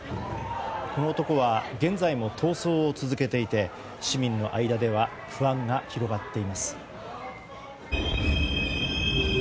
この男は現在も逃走を続けていて市民の間では不安が広がっています。